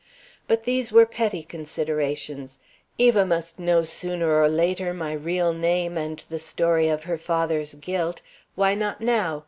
But these were petty considerations. Eva must know sooner or later my real name and the story of her father's guilt. Why not now?